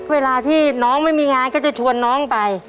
เวลาที่น้องไม่มีงานก็จะชวนน้องไป